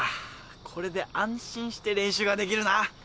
これで安心して練習ができるな。